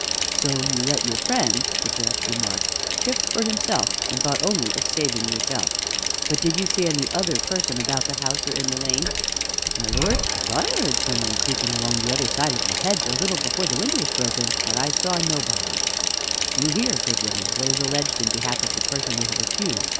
"So you let your friend," the Judge remarked, "shift for himself, and thought only of saving yourself. But did you see any other person about the house or in the lane?" "My lord, I thought I heard some one creeping along the other side of the hedge a little before the window was broken, but I saw nobody." "You hear, good woman, what is alleged in behalf of the person you have accused.